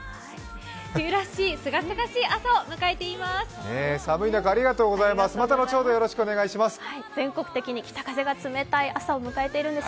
冬らしいすがすがしい朝を迎えています。